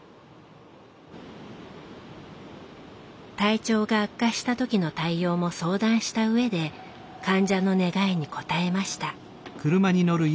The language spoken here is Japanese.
体調が悪化した時の対応も相談した上で患者の願いに応えました。